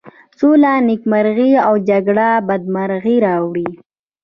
سوله نېکمرغي او جگړه بدمرغي راولي.